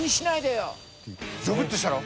ゾクッとしたろ？